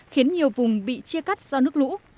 khiến nhiều vùng bị chia cắt do nước lũ